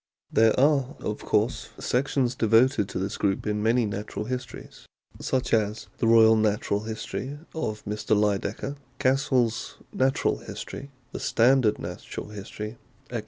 There are, of course, sections devoted to this group in many Natural Histories, such as the Royal Natural History of Mr. Lydekker, Cassell's Natural History, The Standard Natural History, etc.